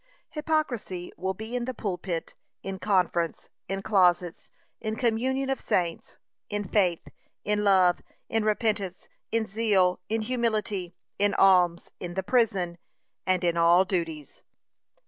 Hypocrisy will be in the pulpit, in conference, in closets, in communion of saints, in faith, in love, in repentance, in zeal, in humility, in alms, in the prison, and in all duties.